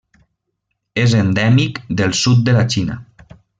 És endèmic del sud de la Xina.